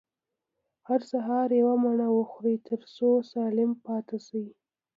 هر سهار يوه مڼه وخورئ، تر څو سالم پاته سئ.